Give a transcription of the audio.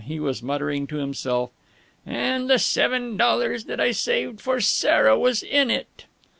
He was muttering to himself, "And the seven dollars that I saved for Sarah was in it."